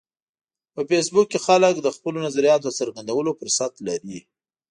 په فېسبوک کې خلک د خپلو نظریاتو د څرګندولو فرصت لري